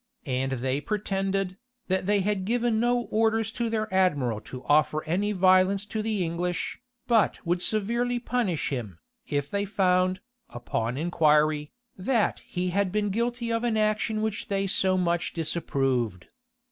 And they pretended, that they had given no orders to their admiral to offer any violence to the English, but would severely punish him, if they found, upon inquiry, that he had been guilty of an action which they so much disapproved.